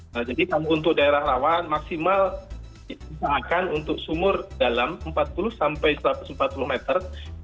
nah jadi untuk daerah rawan maksimal misalkan untuk sumur dalam empat puluh sampai satu ratus empat puluh meter